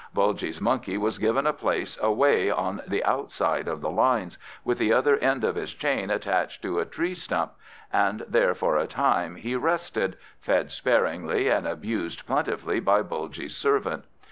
Bulgy's monkey was given a place away on the outside of the lines, with the other end of his chain attached to a tree stump, and there, for a time, he rested, fed sparingly and abused plentifully by Bulgy's servant.